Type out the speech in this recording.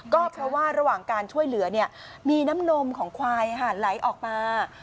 ก็เพราะว่าระหว่างการช่วยเหลือมีน้ำนมของควายไหลออกมา